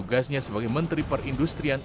tugasnya sebagai menteri perindustrian